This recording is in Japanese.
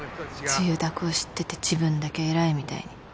つゆだくを知ってて自分だけ偉いみたいに